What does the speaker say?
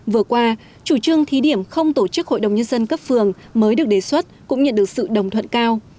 vừa qua chủ trương thí điểm không tổ chức hội đồng nhân dân cấp phường mới được đề xuất cũng nhận được sự đồng thuận cao